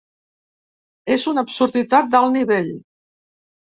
És una absurditat d'alt nivell.